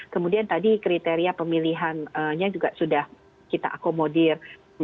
kemudian tadi kriteria pemilihannya juga sudah kita akomodir